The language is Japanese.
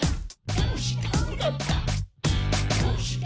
「どうして？